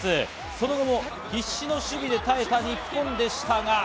その後も必死の守備で耐えた日本でしたが。